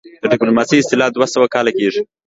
د ډيپلوماسۍ اصطلاح دوه سوه کاله کيږي